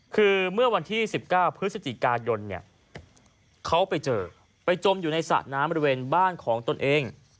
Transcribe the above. คือเมื่อวันที่๑๙พฤศจิกายนเนี่ยเขาไปเจอไปจมอยู่ในสระน้ำบริเวณบ้านของตนเอง